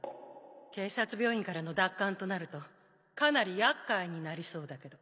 警察病院からの奪還となるとかなり厄介になりそうだけど。